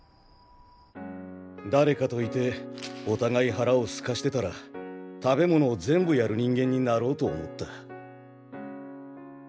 誰かといてお互い腹をすかしてたら食べ物を全部やる人間になろうと思った。